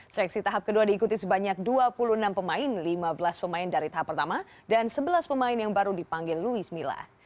seleksi tahap kedua diikuti sebanyak dua puluh enam pemain lima belas pemain dari tahap pertama dan sebelas pemain yang baru dipanggil luis mila